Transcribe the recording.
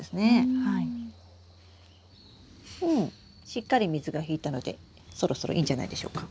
しっかり水が引いたのでそろそろいいんじゃないでしょうか。